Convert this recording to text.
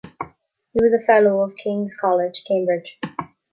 He was a fellow of King's College, Cambridge.